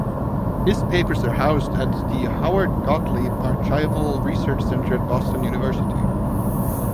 His papers are housed at the Howard Gotlieb Archival Research Center at Boston University.